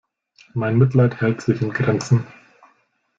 Mein Mitleid hält sich in Grenzen.